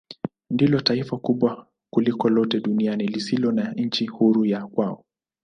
Ndilo taifa kubwa kuliko lote duniani lisilo na nchi huru ya kwao.